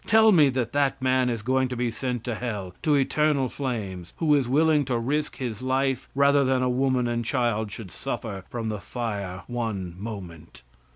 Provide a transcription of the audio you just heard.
Tell me that that man is going to be sent to hell, to eternal flames, who is willing to risk his life rather than a woman and child should suffer from the fire one moment!